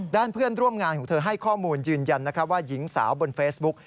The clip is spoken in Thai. เพื่อนร่วมงานของเธอให้ข้อมูลยืนยันว่าหญิงสาวบนเฟซบุ๊ก